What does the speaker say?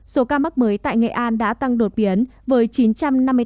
số ca mắc mới tại nghệ an đã tăng đột biến với chín trăm năm mươi tám f mới